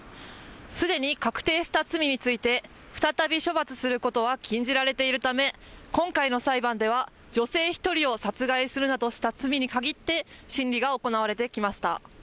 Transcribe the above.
すでに確定した罪について再び処罰することは禁じられているため今回の裁判では女性１人を殺害するなどした罪に限って審理が行われてきました。